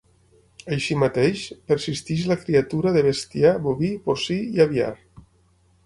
Així mateix, persisteix la criatura de bestiar boví, porcí i aviar.